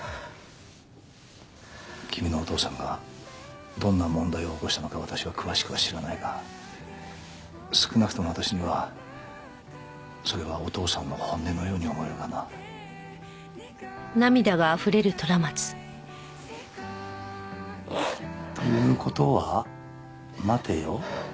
君のお父さんがどんな問題を起こしたのか私は詳しくは知らないが少なくとも私にはそれはお父さんの本音のように思えるがな。という事は待てよ。